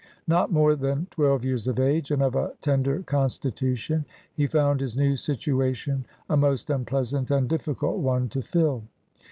Not more than twelve years of age, and of a tender constitution, he found his new situation a most unpleasant and difficult one to fill.